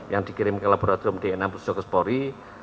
yang dikirim ke laboratorium dna puskespori